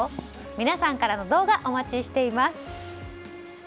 皆さんからの動画お待ちしています。